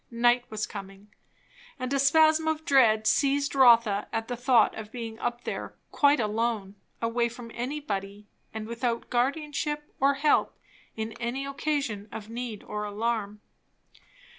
Night was coming. And a spasm of dread seized Rotha at the thought of being up there, quite alone, away from anybody, and without guardianship or help in any occasion of need or alarm.